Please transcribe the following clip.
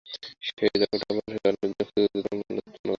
সেই তরঙ্গটি আবার আরও অনেকগুলি ক্ষুদ্র ক্ষুদ্র তরঙ্গমালা উৎপন্ন করে।